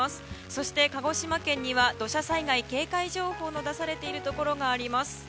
そして、鹿児島県には土砂災害警戒情報の出されているところがあります。